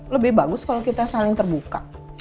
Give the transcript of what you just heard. lebih bagus kalau kita saling terbuka